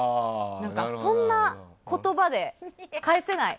そんな言葉で返せない。